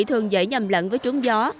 nhưng không thể nhầm lẫn với trúng gió